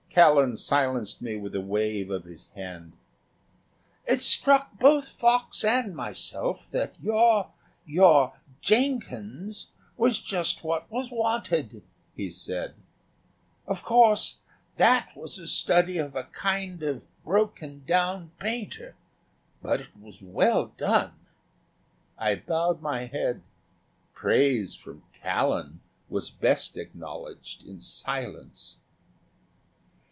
Callan silenced me with a wave of his hand. "It struck both Fox and myself that your your 'Jenkins' was just what was wanted," he said; "of course, that was a study of a kind of broken down painter. But it was well done." I bowed my head. Praise from Callan was best acknowledged in silence.